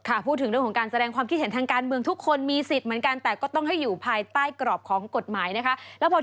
พูดถึงเรื่องของการแสดงความคิดเห็นทางการเมืองทุกคนมีสิทธิ์เหมือนกันแต่ก็ต้องให้อยู่ภายใต้กรอบของกฎหมายนะคะ